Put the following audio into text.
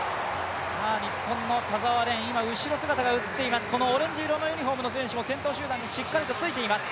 日本の田澤廉、後ろ姿が見えています、オレンジ色のユニフォームが先頭集団にしっかりついています。